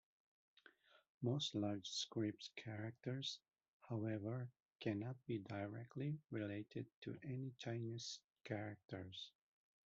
Most large script characters, however, cannot be directly related to any Chinese characters.